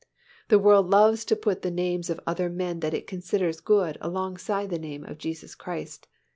The world loves to put the names of other men that it considers good alongside the name of Jesus Christ.